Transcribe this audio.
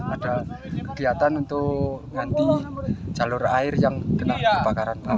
ada kegiatan untuk nanti jalur air yang kena kebakaran